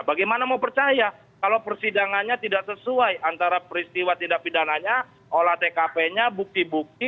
bagaimana mau percaya kalau persidangannya tidak sesuai antara peristiwa tindak pidananya olah tkp nya bukti bukti